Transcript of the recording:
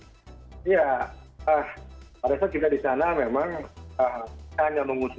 ya pada saat kita di sana memang hanya mengusut